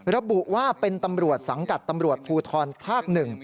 ระบุว่าเป็นตำรวจสังกัดตำรวจภูทรภาค๑